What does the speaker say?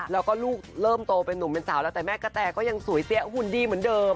แล้วก็ลูกเริ่มโตเป็นนุ่มเป็นสาวแล้วแต่แม่กะแตก็ยังสวยเสียหุ่นดีเหมือนเดิม